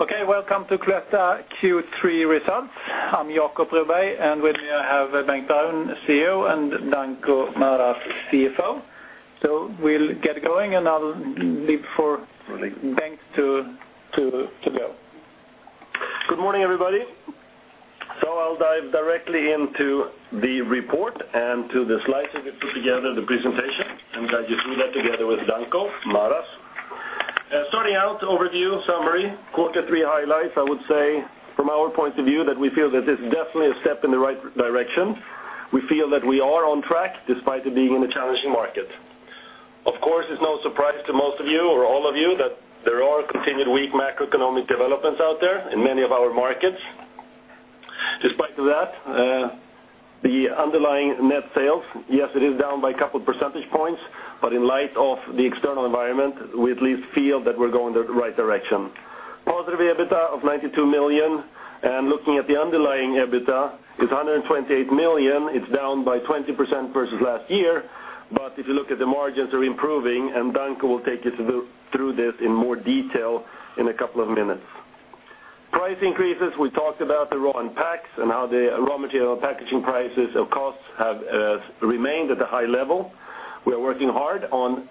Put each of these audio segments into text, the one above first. Okay, welcome to Cloetta Q3 results. I'm Jacob Broberg, and with me I have Bengt Baron, CEO, and Danko Maras, CFO. We'll get going and I'll leave for Bengt to go. Good morning, everybody. I'll dive directly into the report and to the slides we've put together, the presentation, and guide you through that together with Danko Maras. Starting out, overview, summary, quarter three highlights, I would say, from our point of view, that we feel that this is definitely a step in the right direction. We feel that we are on track despite it being in a challenging market. Of course, it's no surprise to most of you or all of you that there are continued weak macroeconomic developments out there in many of our markets. Despite that, the underlying net sales, yes, it is down by a couple of percentage points, but in light of the external environment, we at least feel that we're going the right direction. Positive EBITDA of 92 million, and looking at the underlying EBITDA, it's 128 million. It's down by 20% versus last year, but if you look at the margins, they're improving, and Danko will take you through this in more detail in a couple of minutes. Price increases, we talked about the raw and packs and how the raw material and packaging prices and costs have remained at a high level. We are working hard on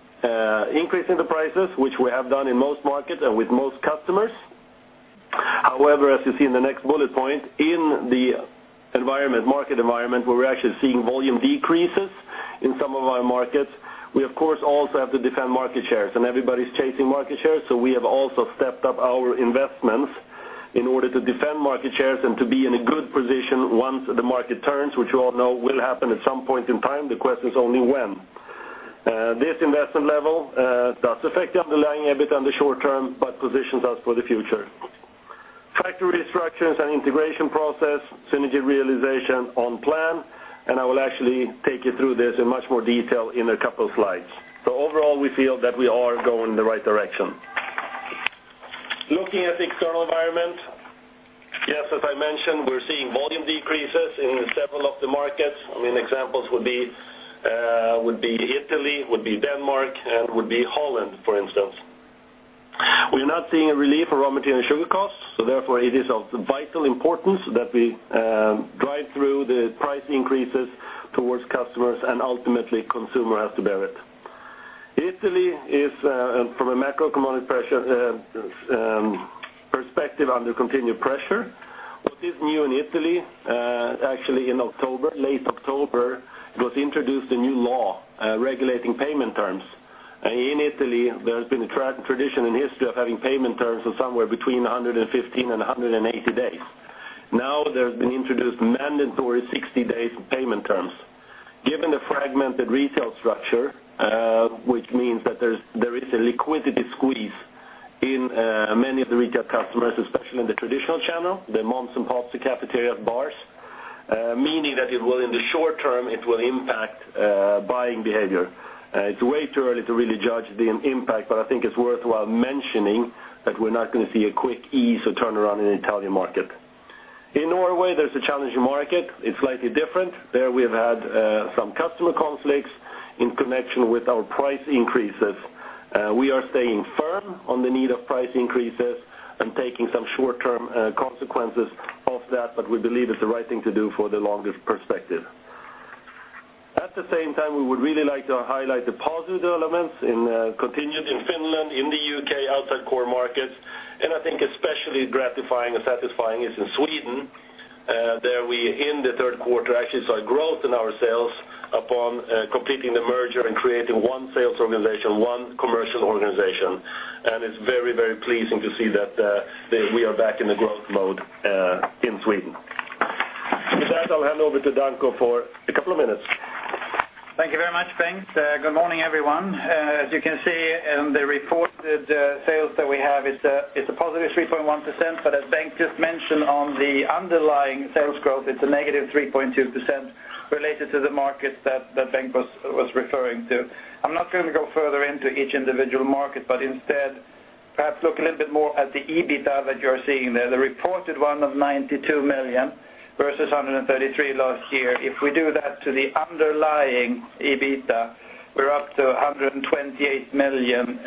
increasing the prices, which we have done in most markets and with most customers. However, as you see in the next bullet point, in the market environment where we're actually seeing volume decreases in some of our markets, we, of course, also have to defend market shares, and everybody's chasing market shares, so we have also stepped up our investments in order to defend market shares and to be in a good position once the market turns, which you all know will happen at some point in time. The question is only when. This investment level does affect the underlying EBITDA in the short term but positions us for the future. Factory structures and integration process, synergy realization on plan, and I will actually take you through this in much more detail in a couple of slides. So overall, we feel that we are going in the right direction. Looking at the external environment, yes, as I mentioned, we're seeing volume decreases in several of the markets. I mean, examples would be Italy, would be Denmark, and would be Holland, for instance. We are not seeing a relief for raw material and sugar costs, so therefore, it is of vital importance that we drive through the price increases towards customers, and ultimately, consumer has to bear it. Italy is, from a macroeconomic perspective, under continued pressure. What is new in Italy, actually, in late October, it was introduced a new law regulating payment terms. In Italy, there has been a tradition in history of having payment terms of somewhere between 115-180 days. Now, there has been introduced mandatory 60-day payment terms. Given the fragmented retail structure, which means that there is a liquidity squeeze in many of the retail customers, especially in the traditional channel, the mom-and-pop cafeterias, bars, meaning that in the short term, it will impact buying behavior. It's way too early to really judge the impact, but I think it's worthwhile mentioning that we're not going to see a quick ease or turnaround in the Italian market. In Norway, there's a challenging market. It's slightly different. There, we have had some customer conflicts in connection with our price increases. We are staying firm on the need of price increases and taking some short-term consequences of that, but we believe it's the right thing to do for the longer perspective. At the same time, we would really like to highlight the positive developments continued in Finland, in the UK, outside core markets, and I think especially gratifying or satisfying is in Sweden. There, we in the third quarter actually saw growth in our sales upon completing the merger and creating one sales organization, one commercial organization, and it's very, very pleasing to see that we are back in the growth mode in Sweden. With that, I'll hand over to Danko for a couple of minutes. Thank you very much, Bengt. Good morning, everyone. As you can see, the reported sales that we have is a positive 3.1%, but as Bengt just mentioned, on the underlying sales growth, it's a negative 3.2% related to the markets that Bengt was referring to. I'm not going to go further into each individual market, but instead, perhaps look a little bit more at the EBITDA that you are seeing there. The reported one of 92 million versus 133 million last year. If we do that to the underlying EBITDA, we're up to 128 million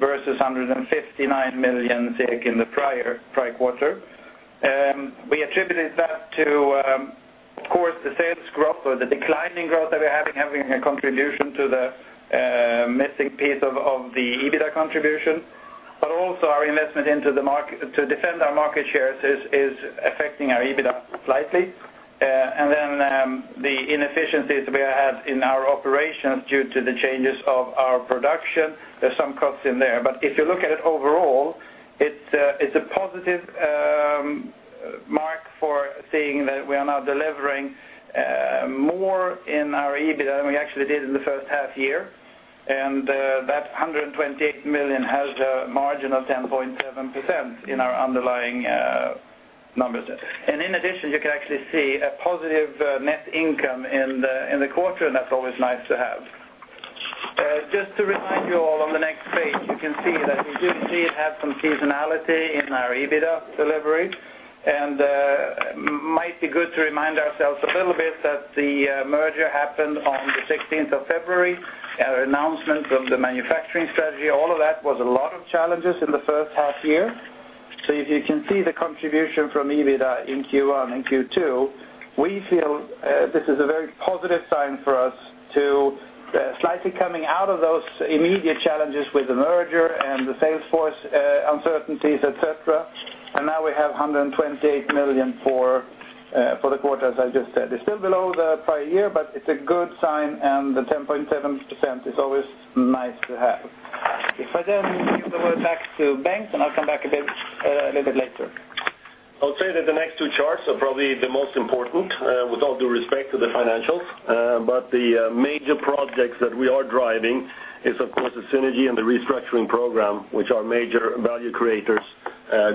versus 159 million in the prior quarter. We attributed that to, of course, the sales growth or the declining growth that we're having, having a contribution to the missing piece of the EBITDA contribution, but also our investment into the market to defend our market shares is affecting our EBITDA slightly. And then the inefficiencies we have had in our operations due to the changes of our production, there's some costs in there. But if you look at it overall, it's a positive mark for seeing that we are now delivering more in our EBITDA than we actually did in the first half year, and that 128 million has a margin of 10.7% in our underlying numbers. And in addition, you can actually see a positive net income in the quarter, and that's always nice to have. Just to remind you all on the next page, you can see that we do indeed have some seasonality in our EBITDA delivery, and it might be good to remind ourselves a little bit that the merger happened on the 16th of February, our announcement of the manufacturing strategy. All of that was a lot of challenges in the first half year. So if you can see the contribution from EBITDA in Q1 and Q2, we feel this is a very positive sign for us to slightly coming out of those immediate challenges with the merger and the sales force uncertainties, etc., and now we have 128 million for the quarter, as I just said. It's still below the prior year, but it's a good sign, and the 10.7% is always nice to have. If I then give the word back to Bengt, and I'll come back a little bit later. I'll say that the next two charts are probably the most important with all due respect to the financials, but the major projects that we are driving is, of course, the synergy and the restructuring program, which are major value creators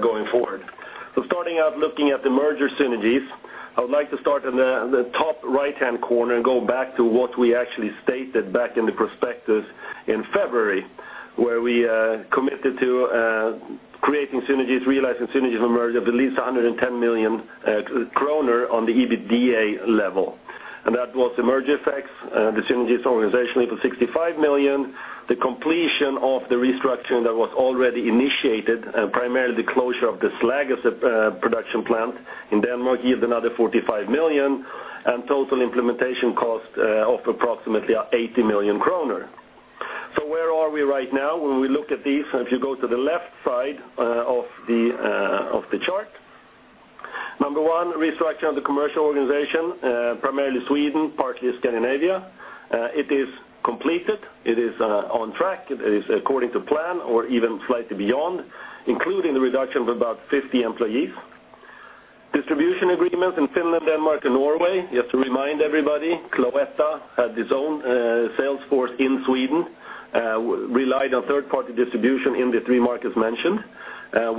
going forward. So starting out looking at the merger synergies, I would like to start in the top right-hand corner and go back to what we actually stated back in the prospectus in February where we committed to creating synergies, realizing synergies of merger of at least 110 million kronor on the EBITDA level. And that was the merger effects, the synergies organizationally for 65 million. The completion of the restructuring that was already initiated primarily the closure of the Slagelse production plant in Denmark yielded another 45 million, and total implementation cost of approximately 80 million kronor. So where are we right now when we look at these? If you go to the left side of the chart, number one, restructuring of the commercial organization, primarily Sweden, partly Scandinavia. It is completed. It is on track. It is according to plan or even slightly beyond, including the reduction of about 50 employees. Distribution agreements in Finland, Denmark, and Norway, just to remind everybody, Cloetta had its own sales force in Sweden, relied on third-party distribution in the three markets mentioned.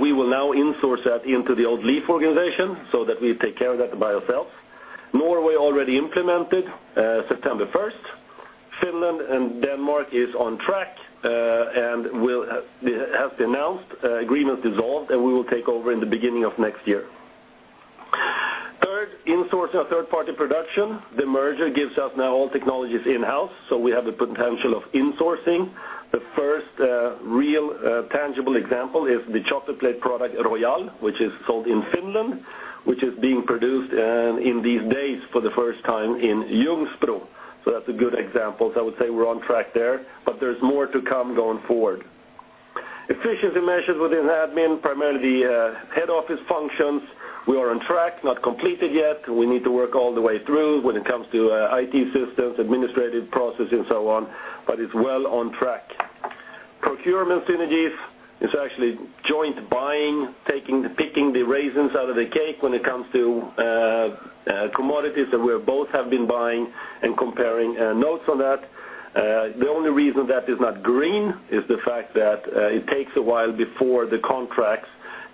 We will now insource that into the old LEAF organization so that we take care of that by ourselves. Norway already implemented September 1st. Finland and Denmark are on track and have been announced, agreements dissolved, and we will take over in the beginning of next year. Third, insourcing of third-party production. The merger gives us now all technologies in-house, so we have the potential of insourcing. The first real tangible example is the chocolate plate product Royal, which is sold in Finland, which is being produced in these days for the first time in Ljungsbro. So that's a good example. So I would say we're on track there, but there's more to come going forward. Efficiency measures within admin, primarily the head office functions. We are on track, not completed yet. We need to work all the way through when it comes to IT systems, administrative processes, and so on, but it's well on track. Procurement synergies. It's actually joint buying, picking the raisins out of the cake when it comes to commodities that we both have been buying and comparing notes on that. The only reason that is not green is the fact that it takes a while before the contracts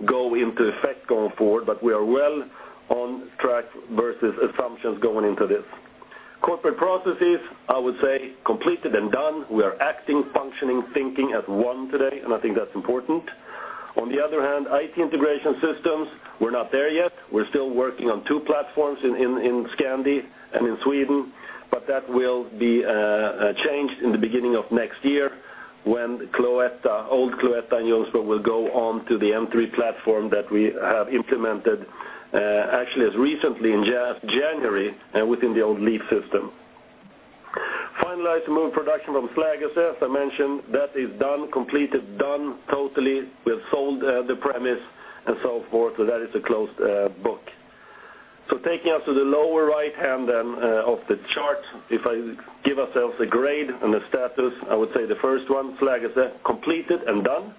go into effect going forward, but we are well on track versus assumptions going into this. Corporate processes, I would say, completed and done. We are acting, functioning, thinking at one today, and I think that's important. On the other hand, IT integration systems, we're not there yet. We're still working on two platforms in Scandi and in Sweden, but that will be changed in the beginning of next year when old Cloetta and Ljungsbro will go onto the M3 platform that we have implemented actually as recently in January within the old LEAF system. Finalize the move production from Slagelse, as I mentioned. That is done, completed, done totally. We have sold the premises and so forth, so that is a closed book. So taking us to the lower right-hand then of the chart, if I give ourselves a grade and a status, I would say the first one, Slagelse, completed and done.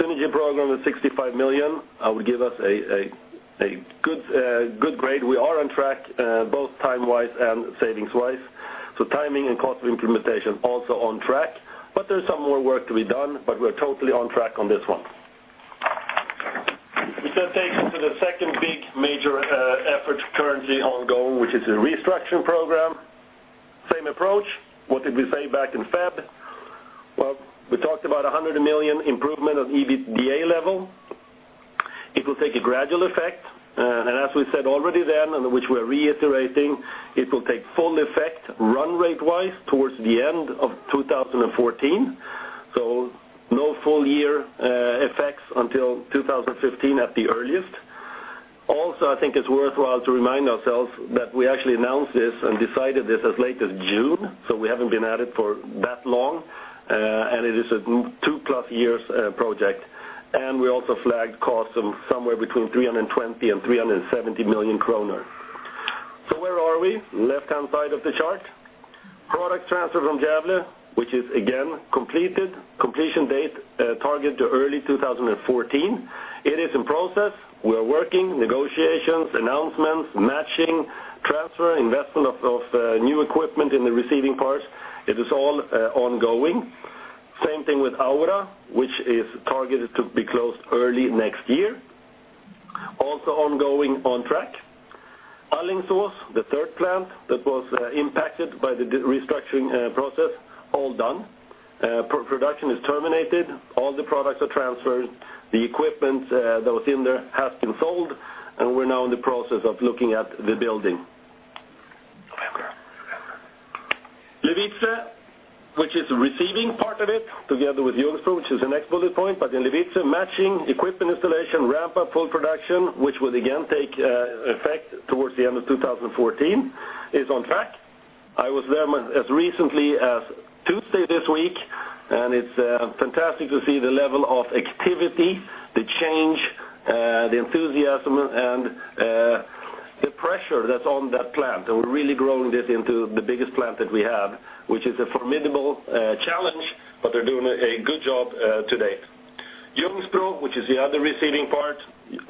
Synergy program of 65 million, I would give us a good grade. We are on track both time-wise and savings-wise. So timing and cost of implementation also on track, but there's some more work to be done, but we are totally on track on this one. This then takes us to the second big major effort currently ongoing, which is the restructuring program. Same approach. What did we say back in February? Well, we talked about 100 million improvement on EBITDA level. It will take a gradual effect, and as we said already then, and which we are reiterating, it will take full effect run rate-wise towards the end of 2014. So no full-year effects until 2015 at the earliest. Also, I think it's worthwhile to remind ourselves that we actually announced this and decided this as late as June, so we haven't been at it for that long, and it is a two-plus years project, and we also flagged costs of somewhere between 320 million and 370 million kronor. So where are we? Left-hand side of the chart. Product transfer from Gävle, which is, again, completed. Completion date targeted to early 2014. It is in process. We are working. Negotiations, announcements, matching, transfer, investment of new equipment in the receiving parts, it is all ongoing. Same thing with Aura, which is targeted to be closed early next year. Also ongoing, on track. Alingsås, the third plant that was impacted by the restructuring process, all done. Production is terminated. All the products are transferred. The equipment that was in there has been sold, and we're now in the process of looking at the building. November. Levice, which is the receiving part of it together with Ljungsbro, which is the next bullet point, but in Levice, matching, equipment installation, ramp-up, full production, which will again take effect towards the end of 2014, is on track. I was there as recently as Tuesday this week, and it's fantastic to see the level of activity, the change, the enthusiasm, and the pressure that's on that plant, and we're really growing this into the biggest plant that we have, which is a formidable challenge, but they're doing a good job to date. Ljungsbro, which is the other receiving part,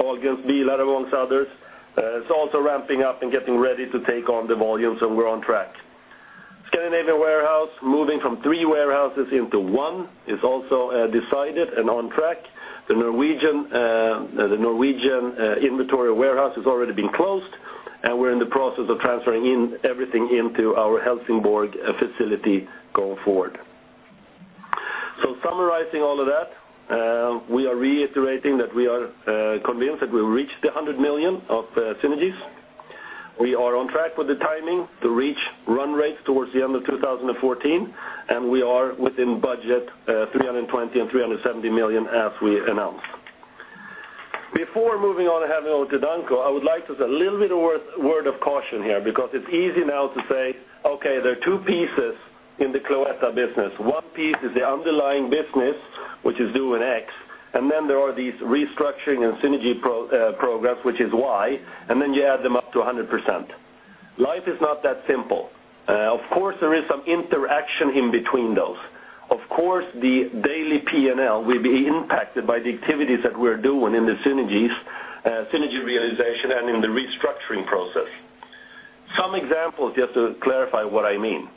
all against Ahlgrens Bilar amongst others, is also ramping up and getting ready to take on the volumes, so we're on track. Scandinavian warehouse, moving from three warehouses into one, is also decided and on track. The Norwegian inventory warehouse has already been closed, and we're in the process of transferring everything into our Helsingborg facility going forward. So summarizing all of that, we are reiterating that we are convinced that we've reached 100 million of synergies. We are on track with the timing to reach run rates towards the end of 2014, and we are within budget, 320 million-370 million as we announced. Before moving on and handing over to Danko, I would like to say a little bit of word of caution here because it's easy now to say, "Okay, there are two pieces in the Cloetta business. One piece is the underlying business, which is doing X, and then there are these restructuring and synergy programs, which is Y, and then you add them up to 100%. " Life is not that simple. Of course, there is some interaction in between those. Of course, the daily P&L will be impacted by the activities that we're doing in the synergies, synergy realization, and in the restructuring process. Some examples just to clarify what I mean.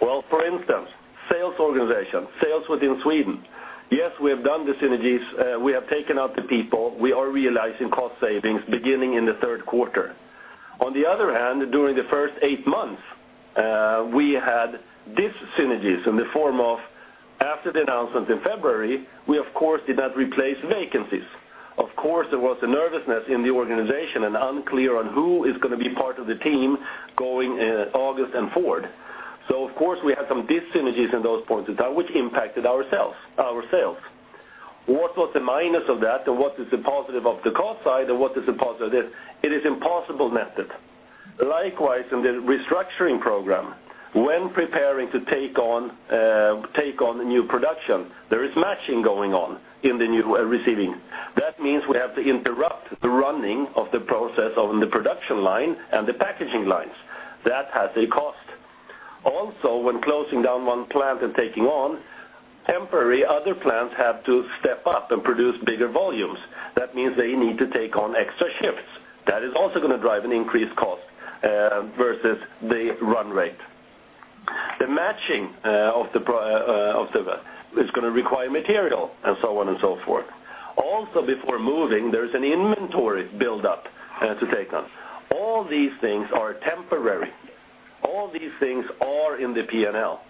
Well, for instance, sales organization, sales within Sweden. Yes, we have done the synergies. We have taken out the people. We are realizing cost savings beginning in the third quarter. On the other hand, during the first eight months, we had dis-synergies in the form of, after the announcements in February, we, of course, did not replace vacancies. Of course, there was a nervousness in the organization and unclear on who is going to be part of the team going August and forward. So, of course, we had some dis-synergies in those points in time, which impacted our sales. What was the minus of that, and what is the positive of the cost side, and what is the positive of this? It is impossible nested. Likewise, in the restructuring program, when preparing to take on new production, there is matching going on in the new receiving. That means we have to interrupt the running of the process on the production line and the packaging lines. That has a cost. Also, when closing down one plant and taking on, temporary, other plants have to step up and produce bigger volumes. That means they need to take on extra shifts. That is also going to drive an increased cost versus the run rate. The matching of the is going to require material and so on and so forth. Also, before moving, there's an inventory buildup to take on. All these things are temporary. All these things are in the P&L.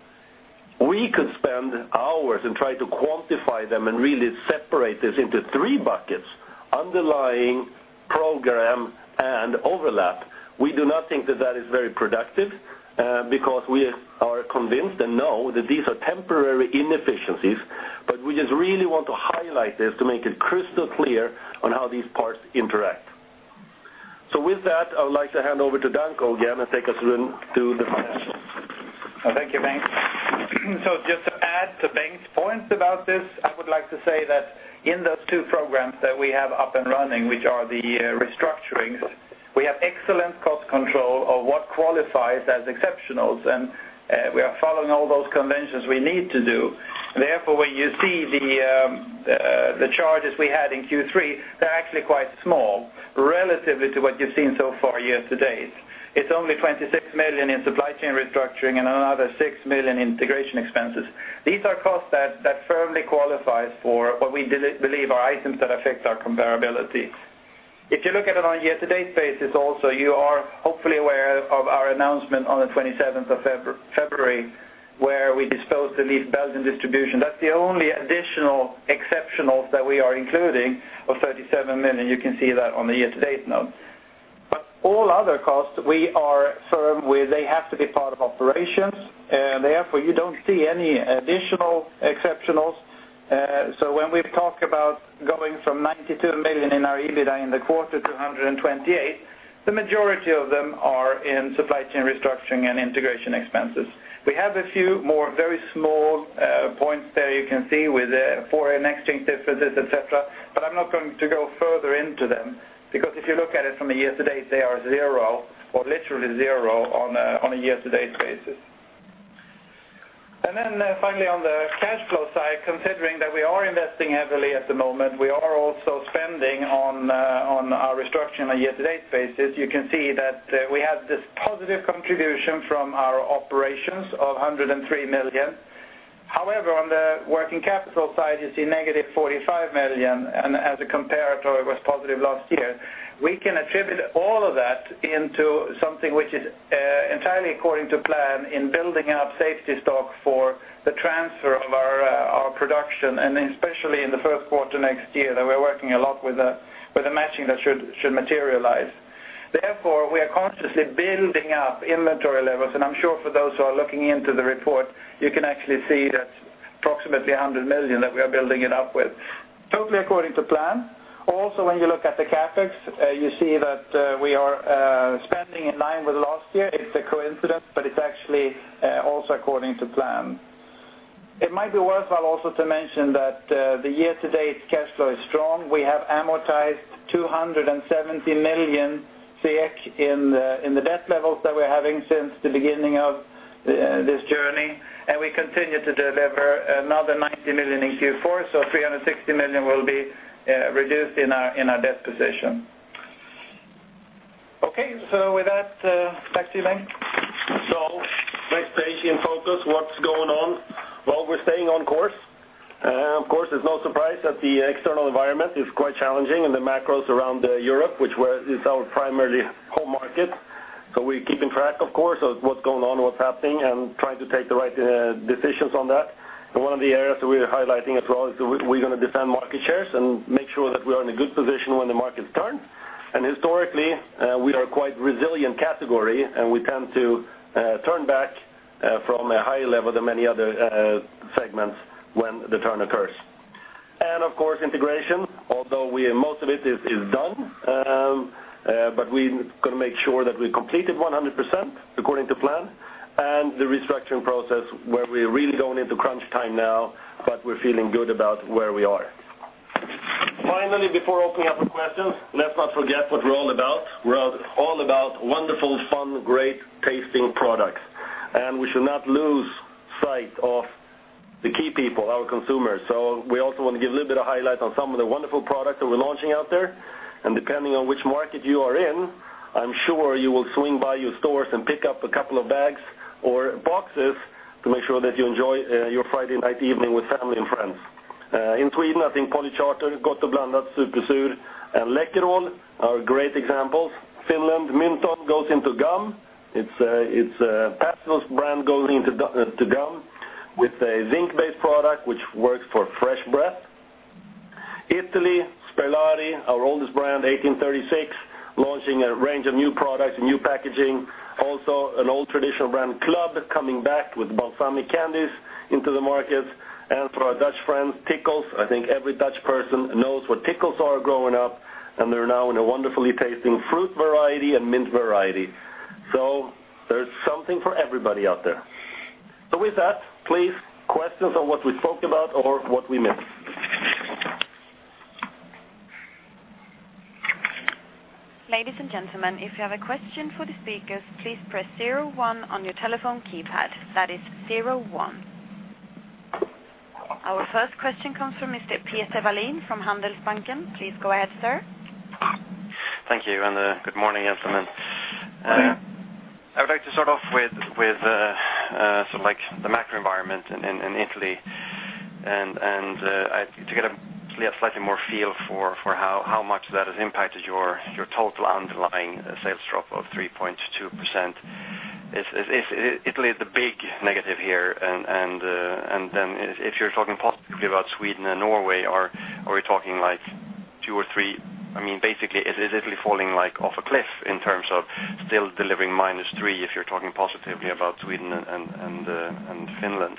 We could spend hours and try to quantify them and really separate this into three buckets, underlying, program, and overlap. We do not think that that is very productive because we are convinced and know that these are temporary inefficiencies, but we just really want to highlight this to make it crystal clear on how these parts interact. So with that, I would like to hand over to Danko again and take us through the financials. Thank you, Bengt. So just to add to Bengt's points about this, I would like to say that in those two programs that we have up and running, which are the restructurings, we have excellent cost control of what qualifies as exceptionals, and we are following all those conventions we need to do. Therefore, when you see the charges we had in Q3, they're actually quite small relatively to what you've seen so far year to date. It's only 26 million in supply chain restructuring and another 6 million integration expenses. These are costs that firmly qualify for what we believe are items that affect our comparability. If you look at it on a year-to-date basis also, you are hopefully aware of our announcement on the 27th of February where we disposed the LEAF Belgium distribution. That's the only additional exceptionals that we are including of 37 million. You can see that on the year-to-date note. But all other costs, we are firm with they have to be part of operations, and therefore, you don't see any additional exceptionals. So when we talk about going from 92 million in our EBITDA in the quarter to 128 million, the majority of them are in supply chain restructuring and integration expenses. We have a few more very small points there you can see with foreign exchange differences, etc., but I'm not going to go further into them because if you look at it from a year-to-date, they are zero or literally zero on a year-to-date basis. And then finally, on the cash flow side, considering that we are investing heavily at the moment, we are also spending on our restructuring on a year-to-date basis. You can see that we have this positive contribution from our operations of 103 million. However, on the working capital side, you see -45 million, and as a comparator, it was positive last year. We can attribute all of that into something which is entirely according to plan in building up safety stock for the transfer of our production, and especially in the first quarter next year that we're working a lot with the matching that should materialize. Therefore, we are consciously building up inventory levels, and I'm sure for those who are looking into the report, you can actually see that's approximately 100 million that we are building it up with, totally according to plan. Also, when you look at the Capex, you see that we are spending in line with last year. It's a coincidence, but it's actually also according to plan. It might be worthwhile also to mention that the year-to-date cash flow is strong. We have amortized 270 million in the debt levels that we're having since the beginning of this journey, and we continue to deliver another 90 million in Q4, so 360 million will be reduced in our debt position. Okay, so with that, back to you, Bengt. So next page in focus, what's going on? Well, we're staying on course. Of course, it's no surprise that the external environment is quite challenging and the macros around Europe, which is our primary home market. So we're keeping track, of course, of what's going on, what's happening, and trying to take the right decisions on that. And one of the areas that we're highlighting as well is that we're going to defend market shares and make sure that we are in a good position when the markets turn. And historically, we are quite resilient category, and we tend to turn back from a higher level than many other segments when the turn occurs. And of course, integration, although most of it is done, but we're going to make sure that we completed 100% according to plan, and the restructuring process where we're really going into crunch time now, but we're feeling good about where we are. Finally, before opening up for questions, let's not forget what we're all about. We're all about wonderful, fun, great, tasting products, and we should not lose sight of the key people, our consumers. So we also want to give a little bit of highlight on some of the wonderful products that we're launching out there, and depending on which market you are in, I'm sure you will swing by your stores and pick up a couple of bags or boxes to make sure that you enjoy your Friday night evening with family and friends. In Sweden, I think Polly, Gott & Blandat, Supersura, and Läkerol are great examples. Finland, Mynthon goes into gum. It's a pastille brand going into gum with a zinc-based product which works for fresh breath. Italy, Sperlari, our oldest brand, 1836, launching a range of new products, new packaging. Also, an old traditional brand, Club, coming back with balsamic candies into the markets. And for our Dutch friends, Tikkels. I think every Dutch person knows what Tikkels are growing up, and they're now in a wonderfully tasting fruit variety and mint variety. So there's something for everybody out there. So with that, please, questions on what we spoke about or what we missed? Ladies and gentlemen, if you have a question for the speakers, please press 01 on your telephone keypad. That is 01. Our first question comes from Mr. Peter Wallin from Handelsbanken. Please go ahead, sir. Thank you, and good morning, gentlemen. I would like to start off with sort of the macro environment in Italy to get a slightly more feel for how much that has impacted your total underlying sales drop of 3.2%. Italy is the big negative here, and then if you're talking positively about Sweden and Norway, are we talking like 2 or 3? I mean, basically, is Italy falling off a cliff in terms of still delivering -3% if you're talking positively about Sweden and Finland?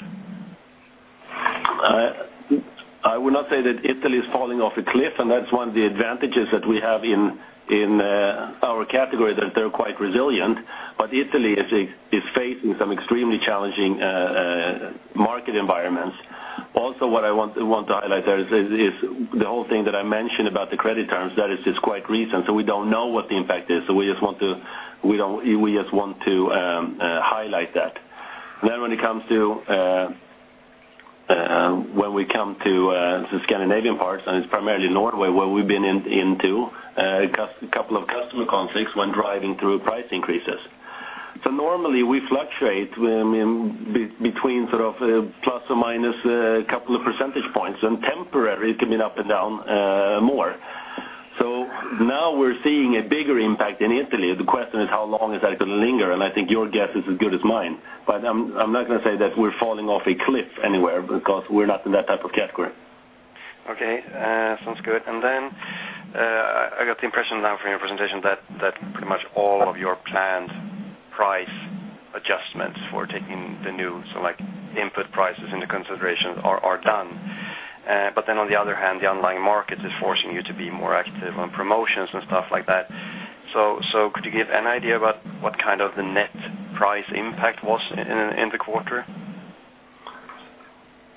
I would not say that Italy is falling off a cliff, and that's one of the advantages that we have in our category, that they're quite resilient. But Italy is facing some extremely challenging market environments. Also, what I want to highlight there is the whole thing that I mentioned about the credit terms, that is just quite recent, so we don't know what the impact is, so we just want to highlight that. Then when it comes to the Scandinavian parts, and it's primarily Norway where we've run into a couple of customer conflicts when driving through price increases. So normally, we fluctuate between sort of ± a couple of percentage points, and temporarily, it can be up and down more. So now we're seeing a bigger impact in Italy. The question is, how long is that going to linger? And I think your guess is as good as mine, but I'm not going to say that we're falling off a cliff anywhere because we're not in that type of category. Okay, sounds good. And then I got the impression now from your presentation that pretty much all of your planned price adjustments for taking the new sort of input prices into consideration are done. But then on the other hand, the underlying market is forcing you to be more active on promotions and stuff like that. So could you give an idea about what kind of the net price impact was in the quarter?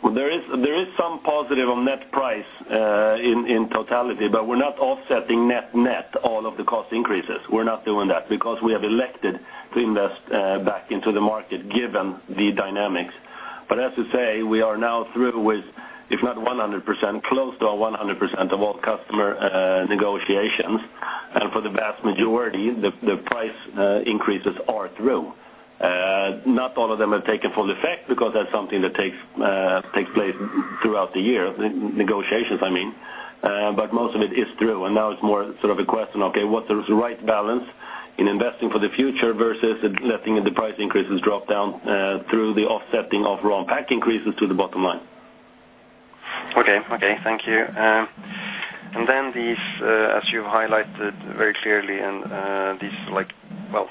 Well, there is some positive on net price in totality, but we're not offsetting net-net all of the cost increases. We're not doing that because we have elected to invest back into the market given the dynamics. But as you say, we are now through with, if not 100%, close to 100% of all customer negotiations, and for the vast majority, the price increases are through. Not all of them have taken full effect because that's something that takes place throughout the year, negotiations, I mean, but most of it is through. And now it's more sort of a question of, okay, what's the right balance in investing for the future versus letting the price increases drop down through the offsetting of raw pack increases to the bottom line? Okay, okay, thank you. And then these, as you've highlighted very clearly, and these, well,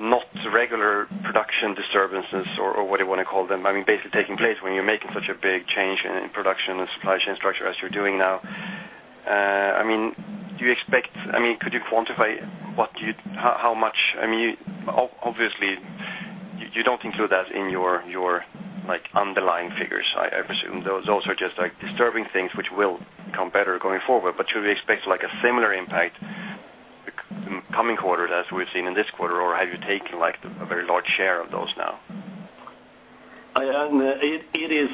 not regular production disturbances or what you want to call them, I mean, basically taking place when you're making such a big change in production and supply chain structure as you're doing now, I mean, do you expect, I mean, could you quantify how much, I mean, obviously, you don't include that in your underlying figures, I presume. Those are just disturbing things which will become better going forward, but should we expect a similar impact coming quarters as we've seen in this quarter, or have you taken a very large share of those now? It is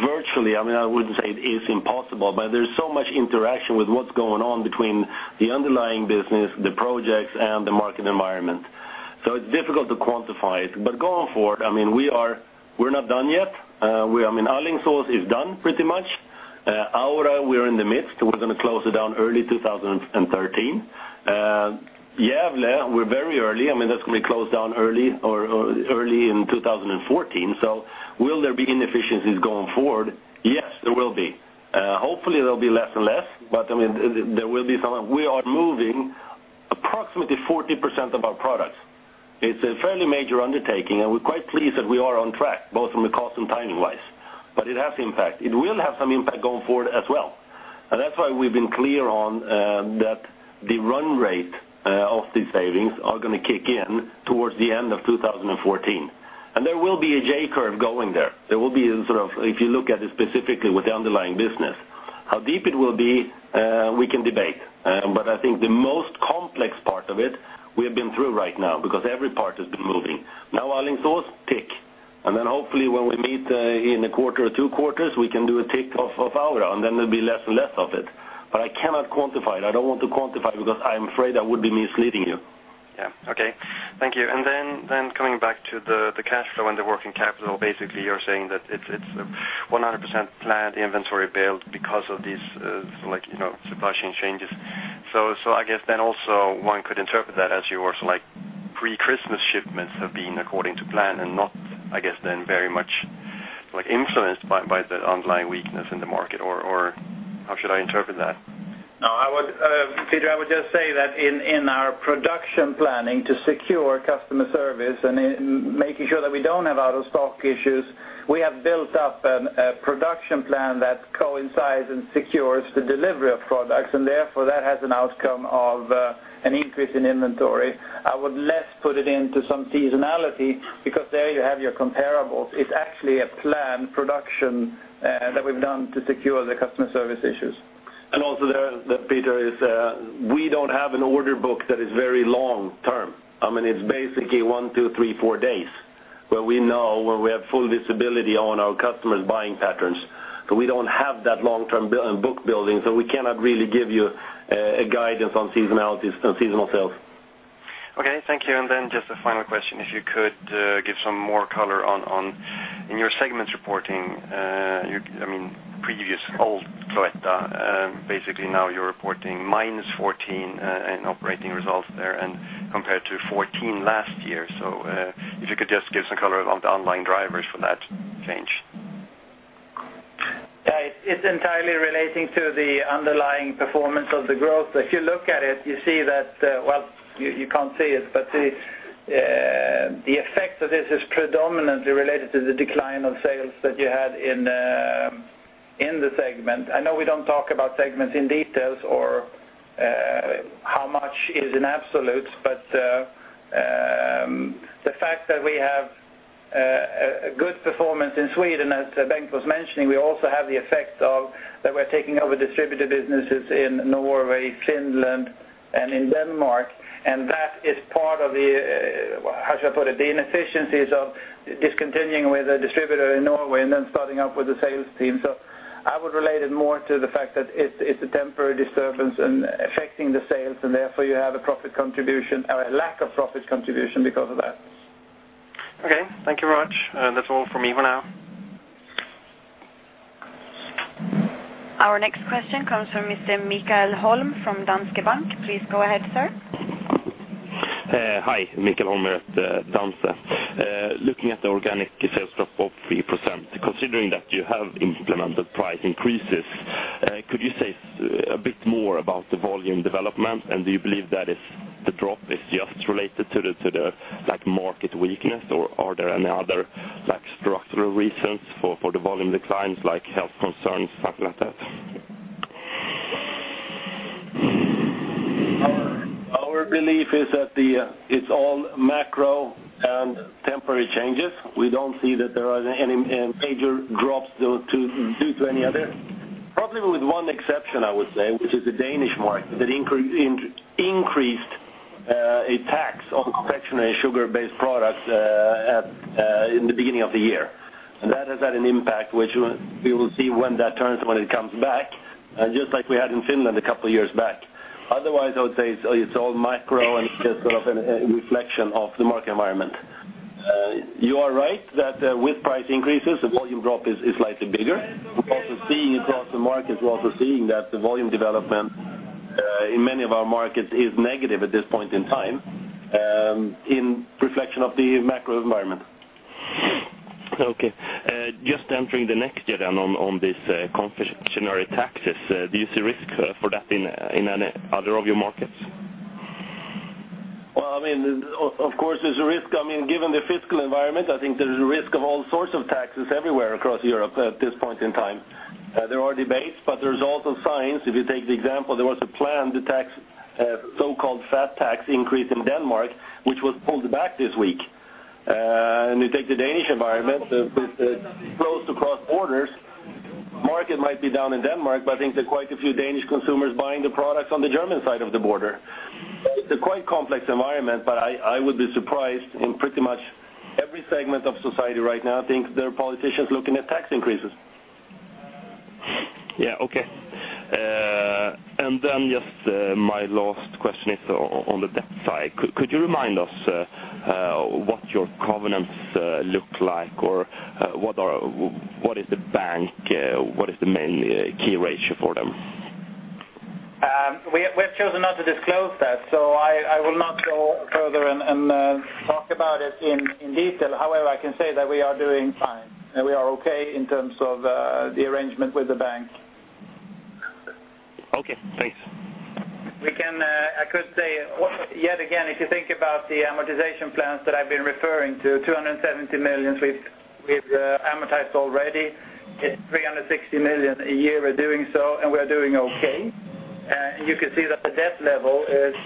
virtually impossible. I mean, I wouldn't say it is impossible, but there's so much interaction with what's going on between the underlying business, the projects, and the market environment. So it's difficult to quantify it. But going forward, I mean, we're not done yet. I mean, Alingsås is done pretty much. Aura, we're in the midst. We're going to close it down early 2013. Gävle, we're very early. I mean, that's going to be closed down early in 2014. So will there be inefficiencies going forward? Yes, there will be. Hopefully, there'll be less and less, but I mean, there will be some, we are moving approximately 40% of our products. It's a fairly major undertaking, and we're quite pleased that we are on track both from the cost and timing-wise, but it has impact. It will have some impact going forward as well. And that's why we've been clear on that the run rate of these savings are going to kick in towards the end of 2014. And there will be a J-curve going there. There will be sort of if you look at it specifically with the underlying business, how deep it will be, we can debate. But I think the most complex part of it, we have been through right now because every part has been moving. Now, Alingsås, tick. And then hopefully, when we meet in a quarter or two quarters, we can do a tick of Aura, and then there'll be less and less of it. But I cannot quantify it. I don't want to quantify it because I'm afraid that would be misleading you. Yeah, okay, thank you. And then coming back to the cash flow and the working capital, basically, you're saying that it's 100% planned inventory build because of these supply chain changes. So I guess then also one could interpret that as your pre-Christmas shipments have been according to plan and not, I guess, then very much influenced by the underlying weakness in the market, or how should I interpret that? No, Peter, I would just say that in our production planning to secure customer service and making sure that we don't have out-of-stock issues, we have built up a production plan that coincides and secures the delivery of products, and therefore, that has an outcome of an increase in inventory. I would less put it into some seasonality because there you have your comparables. It's actually a planned production that we've done to secure the customer service issues. And also there, Peter, is we don't have an order book that is very long-term. I mean, it's basically 1, 2, 3, 4 days where we know when we have full visibility on our customers' buying patterns. So we don't have that long-term book building, so we cannot really give you guidance on seasonality and seasonal sales. Okay, thank you. And then just a final question, if you could give some more color on in your segments reporting, I mean, previous, old Cloetta, basically, now you're reporting -14 in operating results there and compared to 14 last year. So if you could just give some color on the underlying drivers for that change. Yeah, it's entirely relating to the underlying performance of the growth. If you look at it, you see that well, you can't see it, but the effect of this is predominantly related to the decline of sales that you had in the segment. I know we don't talk about segments in details or how much is in absolutes, but the fact that we have good performance in Sweden, as Bengt was mentioning, we also have the effect of that we're taking over distributor businesses in Norway, Finland, and in Denmark, and that is part of the how should I put it? The inefficiencies of discontinuing with a distributor in Norway and then starting up with a sales team. I would relate it more to the fact that it's a temporary disturbance affecting the sales, and therefore, you have a profit contribution or a lack of profit contribution because of that. Okay, thank you very much. That's all from me for now. Our next question comes from Mr. Mikael Holm from Danske Bank. Please go ahead, sir. Hi, Mikael Holm at Danske. Looking at the organic sales drop of 3%, considering that you have implemented price increases, could you say a bit more about the volume development, and do you believe that the drop is just related to the market weakness, or are there any other structural reasons for the volume declines, like health concerns, something like that? Our belief is that it's all macro and temporary changes. We don't see that there are any major drops due to any other, probably with one exception, I would say, which is the Danish market that increased its tax on confectionery and sugar-based products in the beginning of the year. And that has had an impact, which we will see when that turns when it comes back, just like we had in Finland a couple of years back. Otherwise, I would say it's all macro, and it's just sort of a reflection of the market environment. You are right that with price increases, the volume drop is slightly bigger. We're also seeing across the markets, we're also seeing that the volume development in many of our markets is negative at this point in time in reflection of the macro environment. Okay. Just entering the next year then on these confectionery taxes, do you see risk for that in any other of your markets? Well, I mean, of course, there's a risk. I mean, given the fiscal environment, I think there's a risk of all sorts of taxes everywhere across Europe at this point in time. There are debates, but there's also signs. If you take the example, there was a planned so-called fat tax increase in Denmark, which was pulled back this week. And you take the Danish environment, close to cross-borders, the market might be down in Denmark, but I think there are quite a few Danish consumers buying the products on the German side of the border. It's a quite complex environment, but I would be surprised if pretty much every segment of society right now thinks their politicians are looking at tax increases. Yeah, okay. And then just my last question is on the debt side. Could you remind us what your covenants look like, or what is the bank what is the main key ratio for them? We have chosen not to disclose that, so I will not go further and talk about it in detail. However, I can say that we are doing fine, and we are okay in terms of the arrangement with the bank. Okay, thanks. I could say yet again, if you think about the amortization plans that I've been referring to, 270 million we've amortized already. It's 360 million a year we're doing so, and we are doing okay. And you can see that the debt level is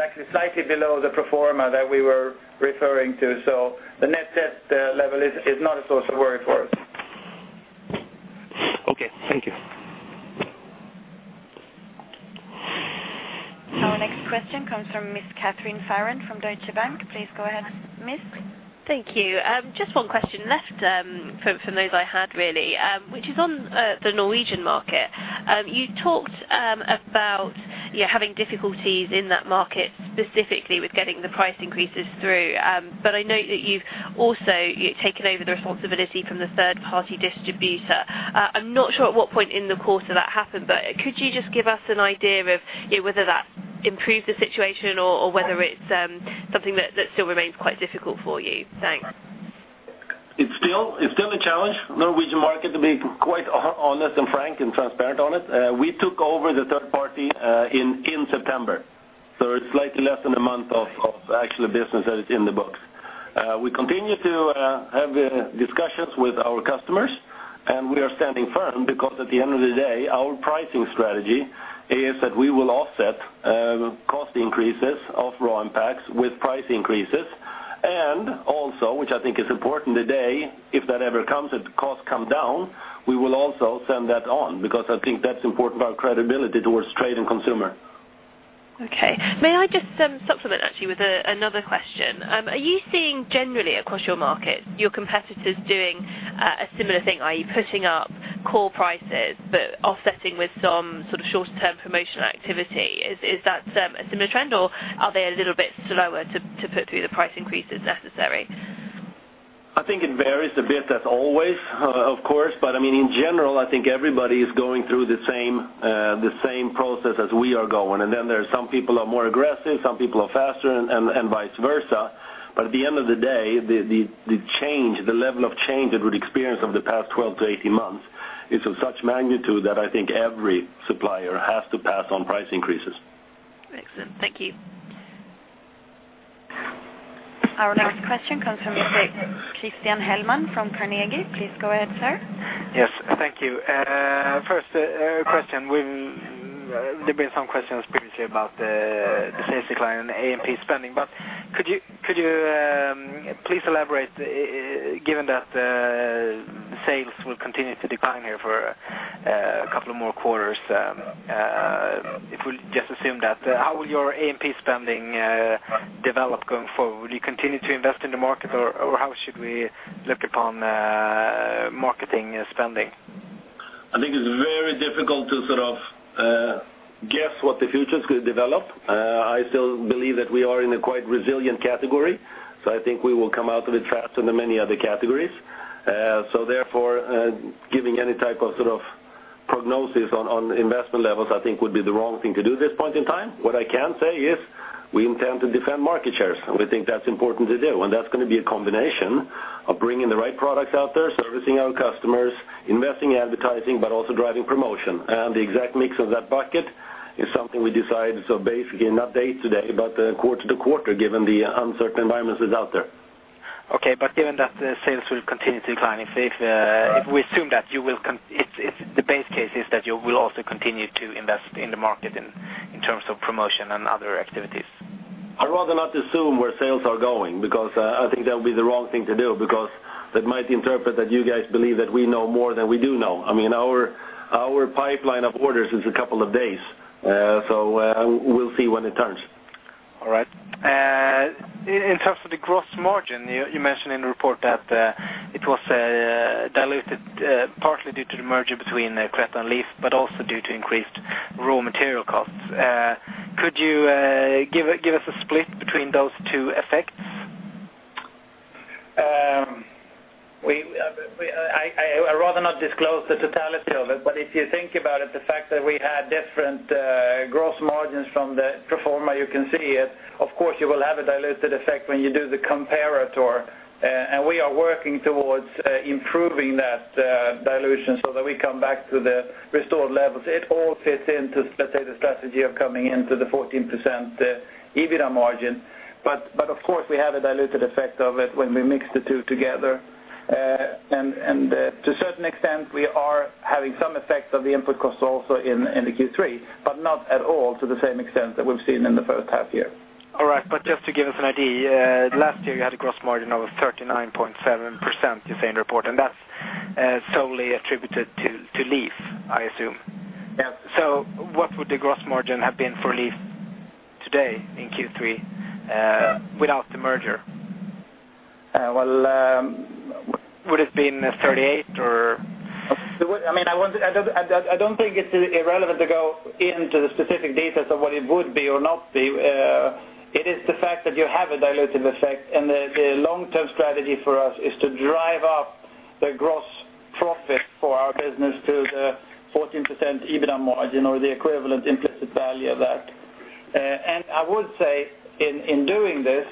actually slightly below the pro forma that we were referring to, so the net debt level is not a source of worry for us. Okay, thank you. Our next question comes from Ms. Katarina Tell from Deutsche Bank. Please go ahead, Ms. Thank you. Just one question left from those I had, really, which is on the Norwegian market. You talked about having difficulties in that market specifically with getting the price increases through, but I note that you've also taken over the responsibility from the third-party distributor. I'm not sure at what point in the quarter that happened, but could you just give us an idea of whether that improved the situation or whether it's something that still remains quite difficult for you? Thanks. It's still a challenge. Norwegian market, to be quite honest and frank and transparent on it, we took over the third party in September, so it's slightly less than a month of actual business that is in the books. We continue to have discussions with our customers, and we are standing firm because at the end of the day, our pricing strategy is that we will offset cost increases of raw and packs with price increases. And also, which I think is important today, if that ever comes, if costs come down, we will also send that on because I think that's important for our credibility towards trade and consumer. Okay. May I just supplement, actually, with another question? Are you seeing generally across your market your competitors doing a similar thing, i.e., putting up core prices but offsetting with some sort of shorter-term promotional activity? Is that a similar trend, or are they a little bit slower to put through the price increases necessary? I think it varies a bit, as always, of course, but I mean, in general, I think everybody is going through the same process as we are going. And then there are some people who are more aggressive, some people are faster, and vice versa. But at the end of the day, the change, the level of change that we've experienced over the past 12-18 months is of such magnitude that I think every supplier has to pass on price increases. Excellent. Thank you. Our next question comes from Mr. Christian Hellman from Carnegie. Please go ahead, sir. Yes, thank you. First question, there have been some questions previously about the sales decline in A&P spending, but could you please elaborate, given that sales will continue to decline here for a couple of more quarters, if we just assume that, how will your A&P spending develop going forward? Will you continue to invest in the market, or how should we look upon marketing spending? I think it's very difficult to sort of guess what the future's going to develop. I still believe that we are in a quite resilient category, so I think we will come out of it faster than many other categories. So therefore, giving any type of sort of prognosis on investment levels, I think would be the wrong thing to do at this point in time. What I can say is we intend to defend market shares, and we think that's important to do. And that's going to be a combination of bringing the right products out there, servicing our customers, investing in advertising, but also driving promotion. And the exact mix of that bucket is something we decide, so basically, not day to day, but quarter to quarter, given the uncertain environments that's out there. Okay, but given that sales will continue to decline, if we assume that the base case is that you will also continue to invest in the market in terms of promotion and other activities. I'd rather not assume where sales are going because I think that would be the wrong thing to do because that might interpret that you guys believe that we know more than we do know. I mean, our pipeline of orders is a couple of days, so we'll see when it turns. All right. In terms of the gross margin, you mentioned in the report that it was diluted partly due to the merger between Cloetta and LEAF, but also due to increased raw material costs. Could you give us a split between those two effects? I'd rather not disclose the totality of it, but if you think about it, the fact that we had different gross margins from the former, you can see it. Of course, you will have a diluted effect when you do the comparator, and we are working towards improving that dilution so that we come back to the restored levels. It all fits into, let's say, the strategy of coming into the 14% EBITDA margin, but of course, we have a diluted effect of it when we mix the two together. And to a certain extent, we are having some effects of the input costs also in the Q3, but not at all to the same extent that we've seen in the first half year. All right, but just to give us an idea, last year, you had a gross margin of 39.7%, you say, in the report, and that's solely attributed to LEAF, I assume. So what would the gross margin have been for LEAF today in Q3 without the merger? Would it have been 38, or? I mean, I don't think it's irrelevant to go into the specific details of what it would be or not be. It is the fact that you have a diluted effect, and the long-term strategy for us is to drive up the gross profit for our business to the 14% EBITDA margin or the equivalent implicit value of that. And I would say, in doing this,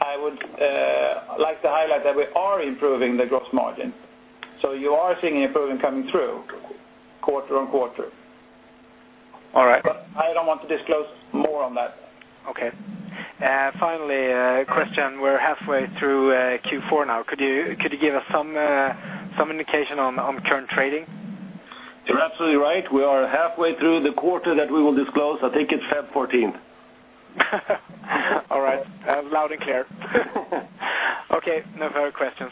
I would like to highlight that we are improving the gross margin. So you are seeing an improvement coming through quarter-over-quarter. But I don't want to disclose more on that. Okay. Finally, Christian, we're halfway through Q4 now. Could you give us some indication on current trading? You're absolutely right. We are halfway through the quarter that we will disclose. I think it's February 14th. All right, loud and clear. Okay, no further questions.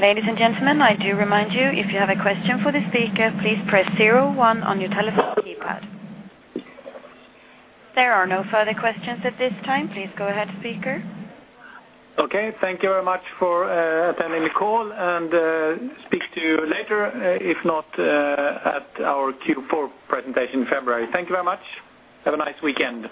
Ladies and gentlemen, I do remind you, if you have a question for the speaker, please press 01 on your telephone keypad. There are no further questions at this time. Please go ahead, speaker. Okay, thank you very much for attending the call, and speak to you later, if not at our Q4 presentation in February. Thank you very much. Have a nice weekend.